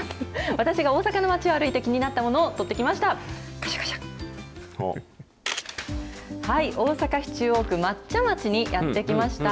私が大阪の街を歩いて気になったものを撮ってきました。